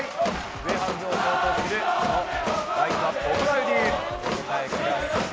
上半分を消灯するそのライトアップを行う理由、お答えください。